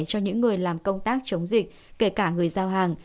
cho những người làm công tác chống dịch kể cả người giao hàng